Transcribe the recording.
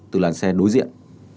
từ làn xe đối diện